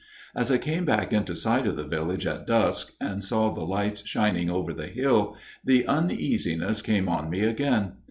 " As I came back into sight of the village at dusk, and saw the lights shining over the hill, the uneasiness came on me again.